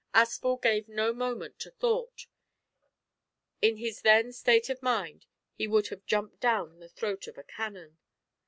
Aspel gave no moment to thought. In his then state of mind he would have jumped down the throat of a cannon.